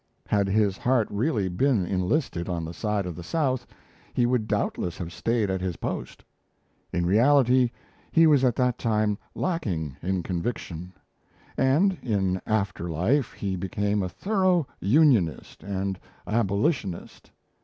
Had his heart really been enlisted on the side of the South, he would doubtless have stayed at his post. In reality, he was at that time lacking in conviction; and in after life he became a thorough Unionist and Abolitionist.